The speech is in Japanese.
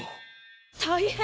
大変！